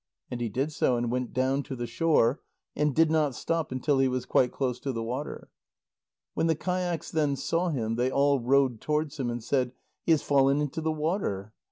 And he did so, and went down to the shore, and did not stop until he was quite close to the water. When the kayaks then saw him, they all rowed towards him, and said: "He has fallen into the water."